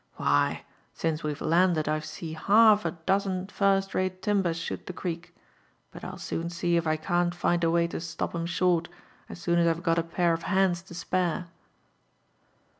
Wby^ ^ince we^ve landed I've lee half i dozen first rate timbers shoot the ereek; bnt I'^l seoif see if I eatt't find a way to stop 'em shott, as Soon a§ Fve gof a pair of han^s td spare."